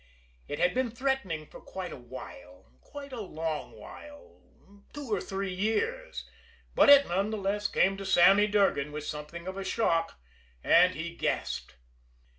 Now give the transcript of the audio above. It had been threatening for quite a while, quite a long while, two or three years, but it none the less came to Sammy Durgan with something of a shock, and he gasped.